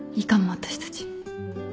私たち